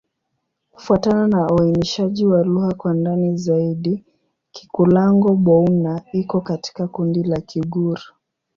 Kufuatana na uainishaji wa lugha kwa ndani zaidi, Kikulango-Bouna iko katika kundi la Kigur.